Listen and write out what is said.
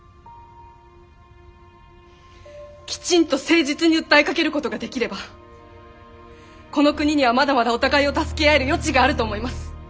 きちんと誠実に訴えかけることができればこの国にはまだまだお互いを助け合える余地があると思います。